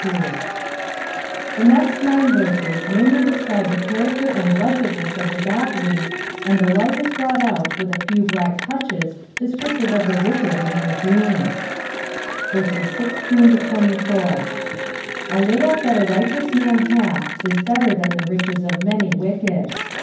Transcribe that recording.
193 The next nine Teises mainly describe the character and bleseedness of the godlj, ukd the light is brought out with a few black toucbeB descriptjre of the wicked and their doom. i6 A little that a righteous man hath is better than the riches of many wicked.